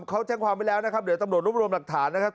เขาแจ้งความไว้แล้วนะครับเดี๋ยวตำรวจรวบรวมหลักฐานนะครับ